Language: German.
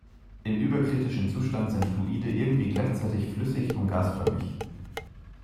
Im überkritischen Zustand sind Fluide irgendwie gleichzeitig flüssig und gasförmig.